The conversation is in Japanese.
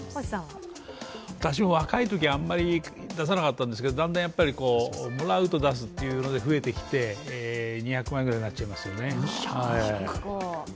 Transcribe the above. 私も若いときはあまり出さなかったんですが、だんだんもらうと出すというので増えてきて、２００枚ぐらいになっちゃいますよね